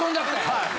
はい。